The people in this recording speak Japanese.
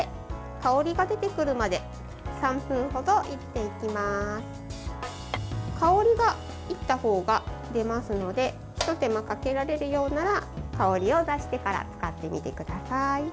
香りが、煎ったほうが出ますのでひと手間かけられるようなら香りを出してから使ってみてください。